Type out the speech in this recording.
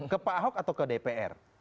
ke pak ahok atau ke dpr